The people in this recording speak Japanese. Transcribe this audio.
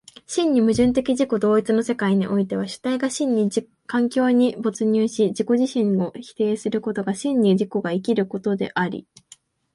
真に矛盾的自己同一の世界においては、主体が真に環境に没入し自己自身を否定することが真に自己が生きることであり、